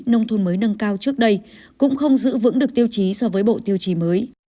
nông thôn mới nâng cao trước đây cũng không giữ vững được tiêu chí so với bộ tiêu chí mới